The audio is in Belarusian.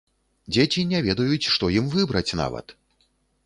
Дзеці не ведаюць, што ім выбраць нават!